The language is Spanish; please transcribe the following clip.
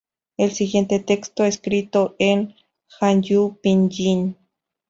El siguiente texto escrito en Hanyu Pinyin.